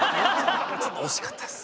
ちょっと惜しかったっす。